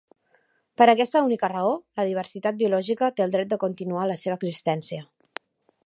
Per aquesta única raó, la diversitat biològica té el dret de continuar la seva existència.